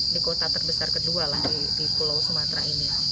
di kota terbesar kedua lah di pulau sumatera ini